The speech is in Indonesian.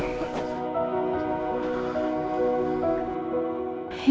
tidak ada apa apa